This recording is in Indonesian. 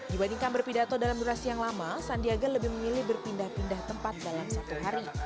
dibandingkan berpidato dalam durasi yang lama sandiaga lebih memilih berpindah pindah tempat dalam satu hari